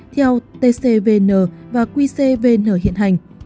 theo tcvn và qcvn hiện hành